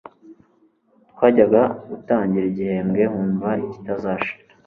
Twajyaga gutangira igihembwe nkumva kitazashira